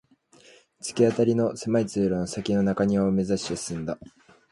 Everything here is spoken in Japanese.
突き当たりの狭い通路の先の中庭を目指して進んだ